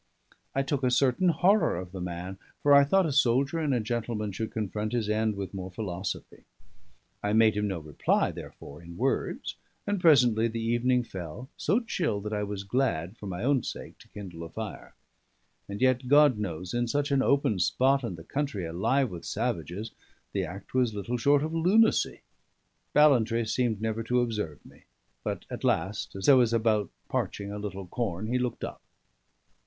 I took a certain horror of the man, for I thought a soldier and a gentleman should confront his end with more philosophy. I made him no reply, therefore, in words; and presently the evening fell so chill that I was glad, for my own sake, to kindle a fire. And yet God knows, in such an open spot, and the country alive with savages, the act was little short of lunacy. Ballantrae seemed never to observe me; but at last, as I was about parching a little corn, he looked up.